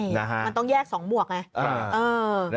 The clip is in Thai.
ใช่มันต้องแยกสองบวกนะ